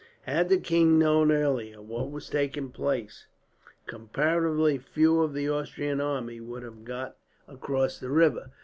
Had the king known earlier what was taking place, comparatively few of the Austrian army would have got across the river.